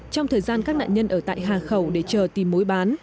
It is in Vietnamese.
trong thời gian các nạn nhân ở tại hà khẩu để chờ tìm mối bán